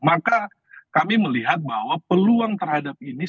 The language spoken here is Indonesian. maka kami melihat bahwa peluang terhadap ini